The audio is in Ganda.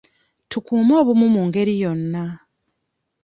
Tukuume obumu mu ngeri yonna.